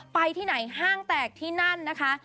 ไปที่ไหนห้างแตกที่นั่นนะคะ